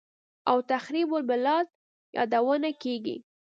او «تخریب البلاد» یادونه کېږي